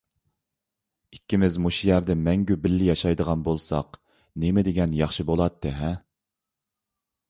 ئىككىمىز مۇشۇ يەردە مەڭگۈ بىللە ياشىغان بولساق نېمىدېگەن ياخشى بولاتتى-ھە!